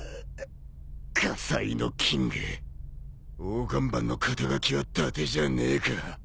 火災のキング大看板の肩書はだてじゃねえか。